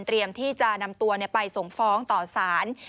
ที่จะนำตัวไปส่งฟ้องต่อสาร